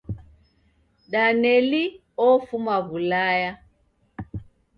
Daneli ofuma W'ulaya